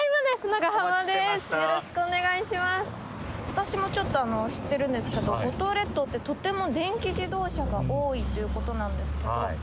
私もちょっと知ってるんですけど五島列島ってとても電気自動車が多いということなんですけど。